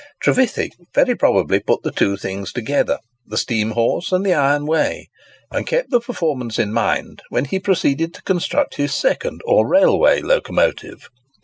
Trevithick very probably put the two things together—the steam horse and the iron way—and kept the performance in mind when he proceeded to construct his second or railway locomotive.